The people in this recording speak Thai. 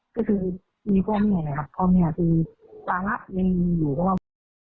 ก็คือมีพ่อแม่เลยค่ะพ่อแม่คือภาระยังอยู่เพราะว่าแม่